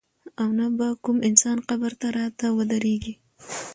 او نه به کوم انسان قبر ته راته ودرېږي.